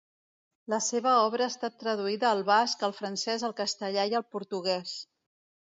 La seva obra ha estat traduïda al basc, al francès, al castellà i al portuguès.